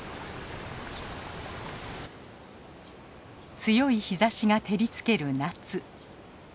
強い日ざしが照りつける夏。